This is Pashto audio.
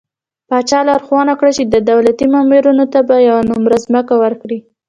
پاچا لارښوونه وکړه چې د دولتي مامورينو ته به يوه نمره ځمکه ورکړي .